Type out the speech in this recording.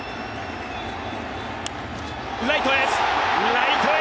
ライトへ。